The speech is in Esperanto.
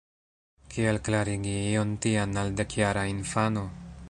Kiel klarigi ion tian al dekjara infano?